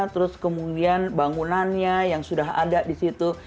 terus kemudian bangunannya yang sudah ada di situ